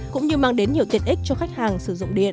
cũng như mang đến nhiều tiện ích cho khách hàng sử dụng điện